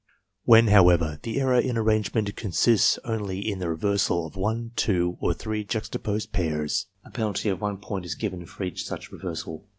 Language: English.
When, however, the error in arrangement con 116 ARMY MENTAL TESTS sists only in the reversal of one, two, or three juxtaposed pairs, a penalty of 1 point is given for each such reversal.